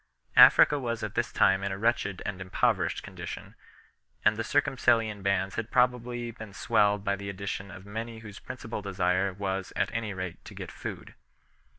Africa was at this time in a wretched and impoverished condition, and the Circumcellion bands had probably been swelled by the addition of many whose principal desire was at any rate to get food.